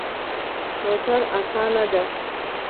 موټر اسانه ده